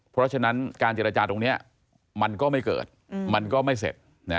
เพราะฉะนั้นการเจรจาตรงนี้มันก็ไม่เกิดมันก็ไม่เสร็จ